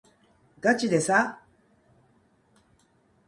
がちでさ